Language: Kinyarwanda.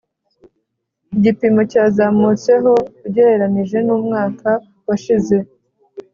igipimo cyazamutseho ugereranije n umwaka washize